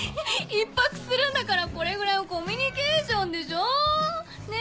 １泊するんだからこれぐらいはコミュニケーションでしょ？ね？